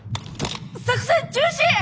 作戦中止！